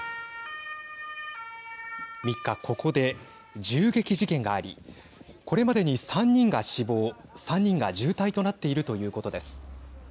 ３日、ここで銃撃事件がありこれまでに３人が死亡３人が重体となっているということです。